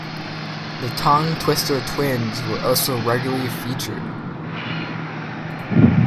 The "Tongue Twister Twins" were also regularly featured.